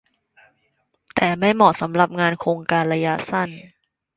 แต่ไม่เหมาะสำหรับงานโครงการระยะสั้น